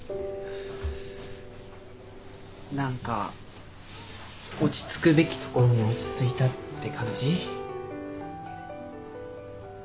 何か落ち着くべきところに落ち着いたって感じ？